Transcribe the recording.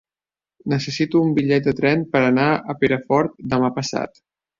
Necessito un bitllet de tren per anar a Perafort demà passat.